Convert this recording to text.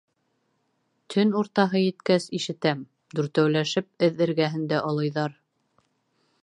Төн уртаһы еткәс, ишетәм: дүртәүләшеп эҙ эргәһендә олойҙар.